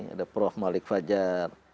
ada prof malik fajar